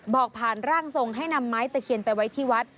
บอกผ่านร่างทรงให้นำไม้ตะเคียนไปไว้ที่วัด